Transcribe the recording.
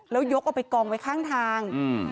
แล้วยกเอาไปกองไว้ข้างทาง